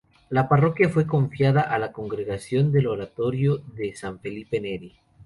La parroquia fue confiada a la Congregación del Oratorio de San Felipe Neri.